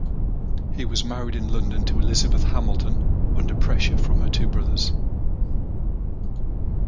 He was married in London to Elizabeth Hamilton, under pressure from her two brothers.